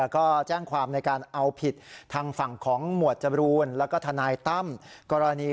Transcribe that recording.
ก็แจ้งความในการเอาผิดทางฝั่งของหมวดจบรูนแล้วก็ทนายตั้มกรณี